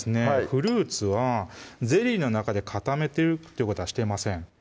フルーツはゼリーの中で固めてるってことはしてません